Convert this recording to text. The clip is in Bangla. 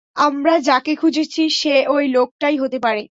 আমরা যাকে খুঁজছি সে ওই লোকটাই হতে পারে।